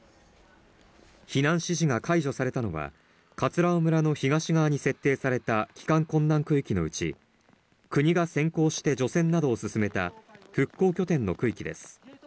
避難指示が解除されたのは葛尾村の西側に設定された、帰還困難区域のうち、国が先行して除染などを進めた復興拠点の区域です。